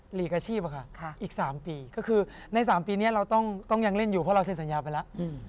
หลีกอาชีพอะค่ะอีก๓ปีก็คือใน๓ปีนี้เราต้องยังเล่นอยู่เพราะเราเซ็นสัญญาไปแล้ว